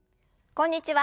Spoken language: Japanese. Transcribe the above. こんにちは。